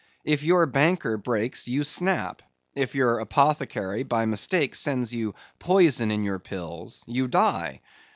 If your banker breaks, you snap; if your apothecary by mistake sends you poison in your pills, you die.